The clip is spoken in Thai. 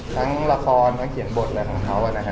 ทั้งละครทั้งเขียนบทอะไรของเขา